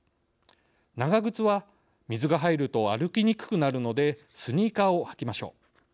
長靴は水が入ると歩きにくくなるのでスニーカーを履きましょう。